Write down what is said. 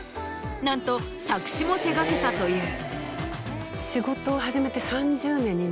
なんと作詞も手掛けたという。